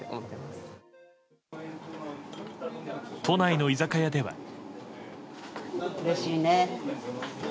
都内の居酒屋では。